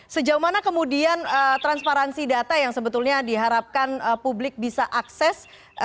sejauh mana kemudian transparansi data yang sebetulnya diharapkan publik bisa akses